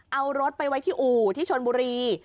เอารถไปไว้ที่อู่ที่ชนบุรี